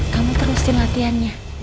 kamu terusin latihannya